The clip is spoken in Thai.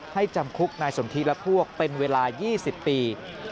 จำคุกนายสนทิและพวกเป็นเวลา๒๐ปี